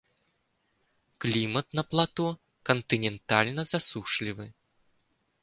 Клімат на плато кантынентальны засушлівы.